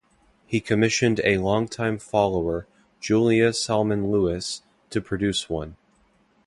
He commissioned a longtime follower, Julia Salman Lewis, to produce one.